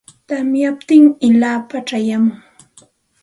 Tamyamuptin illapam chayamun.